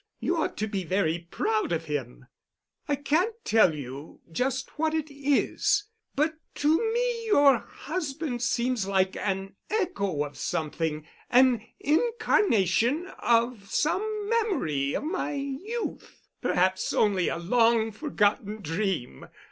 You ought to be very proud of him." "I can't tell just what it is, but to me your husband seems like an echo of something, an incarnation of some memory of my youth—perhaps only a long forgotten dream.